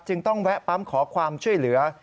ต้องแวะปั๊มขอความช่วยเหลือ